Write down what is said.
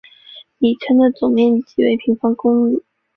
米村的总面积为平方公里。